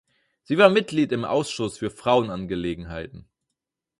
Sie war Mitglied im Ausschuss für Frauenangelegenheiten.